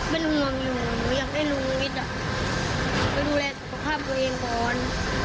เป็นห่วงอยู่หนูอยากให้ลุงวิทย์ไปดูแลสุขภาพตัวเองก่อน